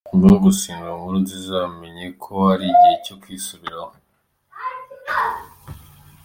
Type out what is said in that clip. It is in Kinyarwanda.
Nyuma yo gufungwa , Nkurunziza yamenye ko ari igihe cyo kwisubiraho.